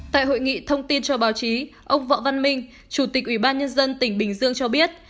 tại hội nghị thông tin cho báo chí ông võ văn minh chủ tịch ủy ban nhân dân tỉnh bình dương cho biết